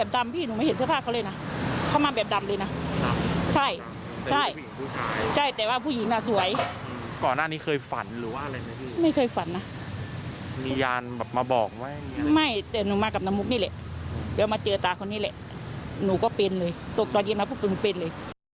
เดี๋ยวมาเจอตาคนนี้เลยหนูก็เป็นเลยตกตอนนี้มาพวกหนูเป็นเลย